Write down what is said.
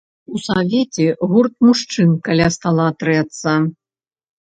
У савеце гурт мужчын каля стала трэцца.